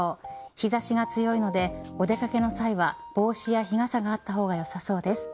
日差しが強いのでお出掛けの際は帽子や日傘があった方が良さそうです。